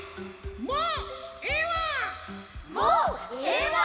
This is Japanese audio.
もうええわ！